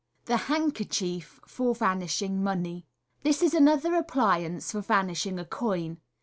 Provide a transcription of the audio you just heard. The Handkerchief for Vanishing Money. — This is another appliance for vanishing a coin.